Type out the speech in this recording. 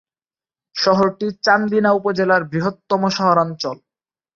শহরটি চান্দিনা উপজেলার বৃহত্তম শহরাঞ্চল।